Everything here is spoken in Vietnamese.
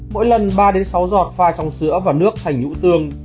mỗi lần ba sáu giọt phai trong sữa và nước thành nhũ tương